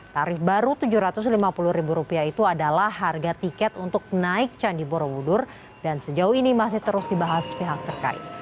tarif baru rp tujuh ratus lima puluh itu adalah harga tiket untuk naik candi borobudur dan sejauh ini masih terus dibahas pihak terkait